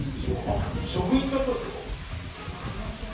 食品ってありますよ。